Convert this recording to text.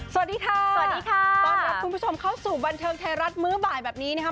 สวัสดีค่ะสวัสดีค่ะต้อนรับคุณผู้ชมเข้าสู่บันเทิงไทยรัฐมื้อบ่ายแบบนี้นะคะ